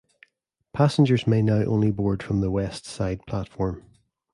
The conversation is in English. Passengers may now only board from the west side platform.